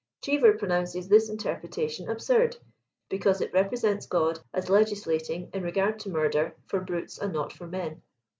Cheever pronounces this interpretation absurd, because it represents God as " legislating, in regard to murder, for brutes and not for men."